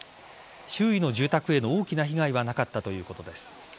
周囲の住宅への大きな被害はなかったということです。